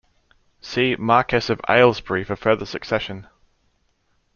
"see Marquess of Ailesbury for further succession"